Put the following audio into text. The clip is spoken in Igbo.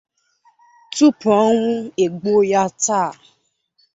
Tupu ọnwụ egbuo ya taa